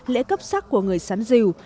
lễ cấp sắc của người sắn dìu